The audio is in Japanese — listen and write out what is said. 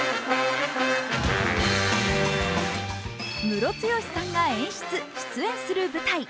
ムロツヨシさんが演出・出演する舞台